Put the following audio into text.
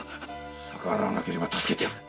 〔逆らわなければ助けてやる。